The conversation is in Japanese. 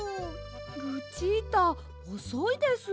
ルチータおそいです。